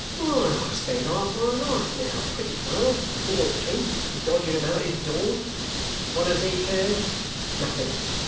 Why, I spend half my life now, pretty well, loitering and dodging about his door. What does he care? Nothing.